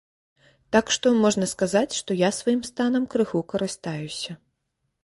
Так што, можна сказаць, што я сваім станам крыху карыстаюся.